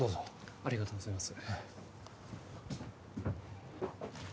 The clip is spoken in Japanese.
ありがとうございます